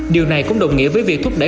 điều này cũng đồng nghĩa với việc thúc đẩy